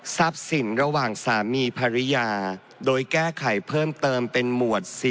สิ่งระหว่างสามีภรรยาโดยแก้ไขเพิ่มเติมเป็นหมวด๔